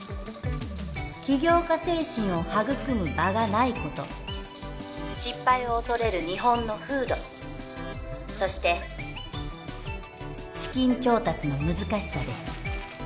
起業家精神を育む場がないこと失敗を恐れる日本の風土そして資金調達の難しさです